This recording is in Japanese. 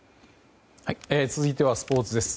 続いてはスポーツです。